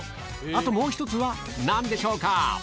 あともう一つはなんでしょうか。